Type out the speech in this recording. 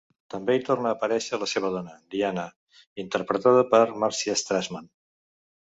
També hi torna a aparèixer la seva dona, Diana, interpretada per Marcia Strassman.